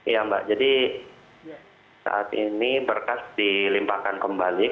ya mbak jadi saat ini berkas dilimpahkan kembali